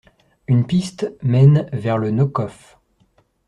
Une piste mène vers le Nockhof.